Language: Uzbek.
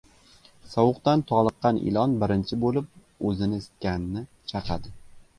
• Sovuqdan toliqqan ilon birinchi bo‘lib o‘zini isitganni chaqadi.